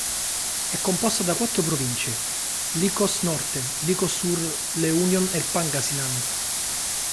È composta da quattro province: Ilocos Norte, Ilocos Sur, La Union e Pangasinan.